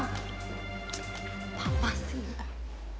papa sih ya